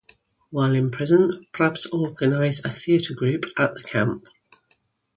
While imprisoned, Pabst organised a theatre group at the camp.